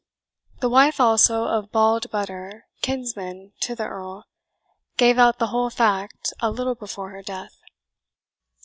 The wife also of Bald Butter, kinsman to the Earl, gave out the whole fact a little before her death.